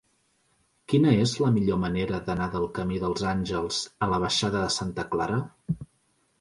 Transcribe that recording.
Quina és la millor manera d'anar del camí dels Àngels a la baixada de Santa Clara?